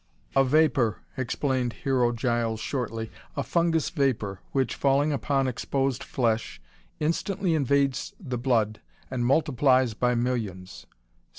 "A vapor," explained Hero Giles shortly. "A fungus vapor which, falling upon exposed flesh, instantly invades the blood and multiplies by millions.